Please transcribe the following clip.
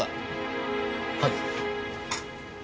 はい。